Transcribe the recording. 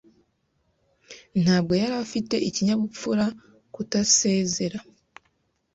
Ntabwo yari afite ikinyabupfura kutasezera.